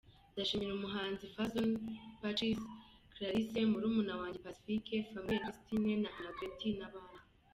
Ndashimira umuhanzi Fazzon, Pacis, Clarisse, murumuna wanjye Pacifique, Famille Christine na Anaclet, nabandi.